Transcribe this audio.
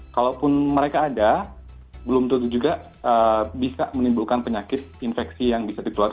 kalaupun mereka ada belum tentu juga bisa menimbulkan penyakit infeksi yang bisa dikeluarkan